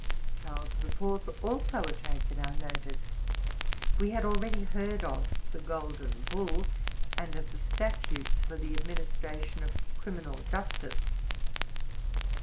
Charles the Fourth also attracted our notice. We had already heard of the Golden Bull, and of the statutes for the administration of criminal justice.